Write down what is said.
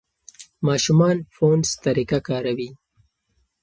ماشومان فونس طریقه کاروي.